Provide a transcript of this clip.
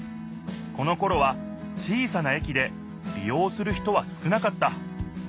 このころは小さなえきでり用する人は少なかった。